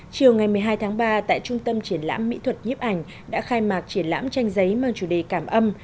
chiều ngày một mươi hai tháng ba tại trung tâm triển lãm mỹ thuật nhiếp ảnh đã khai mạc triển lãm tranh giấy mang chủ đề cảm âm